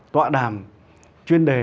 tọa đàm chuyên đề